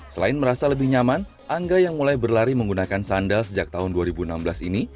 selain merasa lebih nyaman angga yang mulai berlari menggunakan sandal sejak tahun dua ribu enam belas ini